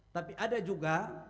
tapi ada juga